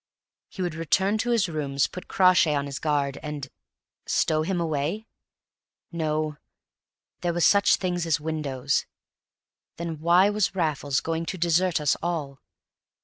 He would return to his rooms, put Crawshay on his guard, and stow him away? No there were such things as windows. Then why was Raffles going to desert us all?